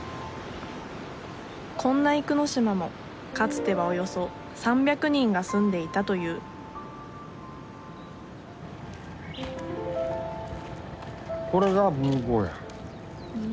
こんな生野島もかつてはおよそ３００人が住んでいたというふん。